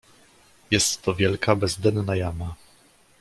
"Jest to wielka, bezdenna jama."